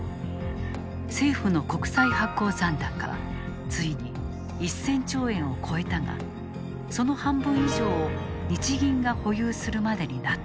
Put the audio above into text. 政府の国債発行残高はついに１，０００兆円を超えたがその半分以上を日銀が保有するまでになった。